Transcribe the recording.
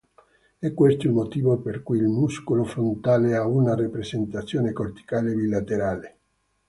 È questo il motivo per cui il muscolo frontale ha una rappresentazione corticale bilaterale.